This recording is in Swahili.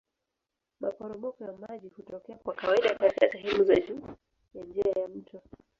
Maporomoko ya maji hutokea kwa kawaida katika sehemu za juu ya njia ya mto